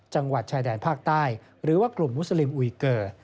จังหวัดชายแดนภาคใต้หรือว่ากลุ่มมุสลิมอุยเกอร์